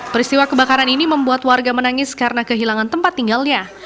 peristiwa kebakaran ini membuat warga menangis karena kehilangan tempat tinggalnya